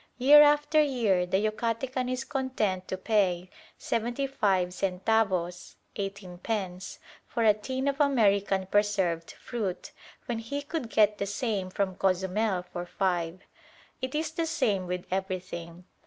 Year after year the Yucatecan is content to pay seventy five centavos (eighteen pence) for a tin of American preserved fruit, when he could get the same from Cozumel for five. It is the same with everything.